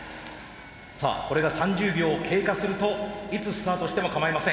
さあこれが３０秒経過するといつスタートしてもかまいません。